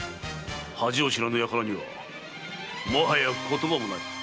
恥を知らぬ輩にはもはや言葉もない。